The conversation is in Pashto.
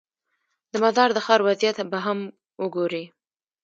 د مزار د ښار وضعیت به هم وګورې.